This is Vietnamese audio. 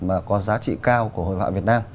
mà có giá trị cao của hội họa việt nam